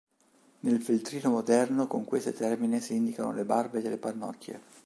Nel feltrino moderno con questo termine si indicano le barbe delle pannocchie.